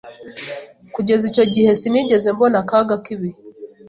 Kugeza icyo gihe sinigeze mbona akaga k'ibihe.